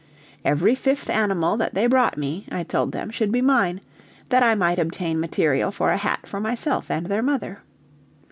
Every fifth animal that they brought me I told them should be mine, that I might obtain material for a hat for myself and their mother.